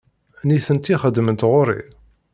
Nitenti xeddment ɣer-i.